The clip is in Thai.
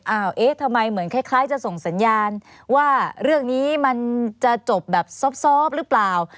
เอ๊ะทำไมเหมือนคล้ายจะส่งสัญญาณว่าเรื่องนี้มันจะจบแบบซอบหรือเปล่า